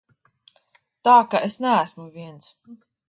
Tā ka es neesmu viens.